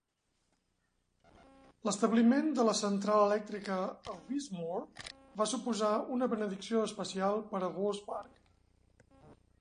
L'establiment de la central elèctrica a Wiesmoor va suposar una benedicció especial per a Vossbarg.